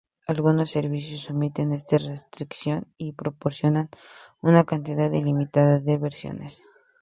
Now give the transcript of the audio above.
Algunos servicios omiten esta restricción y proporcionan una cantidad ilimitada de versiones.